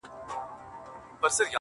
زه يې د نوم تر يوه ټكي صدقه نه سومه”